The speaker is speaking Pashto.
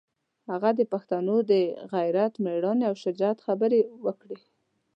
هغه د پښتنو د غیرت، مېړانې او شجاعت خبرې وکړې.